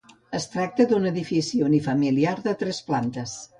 Es tracta d'un edifici unifamiliar de tres plantes.